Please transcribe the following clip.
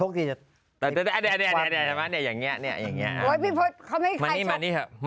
คุณคิดว่าเงิน๑๐๐บาทสมัยนี้เยอะมะ